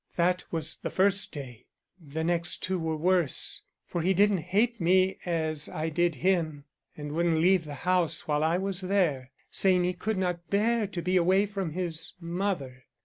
That was the first day. The next two were worse. For he didn't hate me as I did him, and wouldn't leave the house while I was there, saying he could not bear to be away from his mother.